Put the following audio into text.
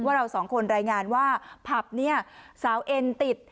เราสองคนรายงานว่าผับเนี่ยสาวเอ็นติด